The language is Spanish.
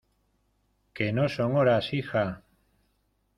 que no son horas, hija.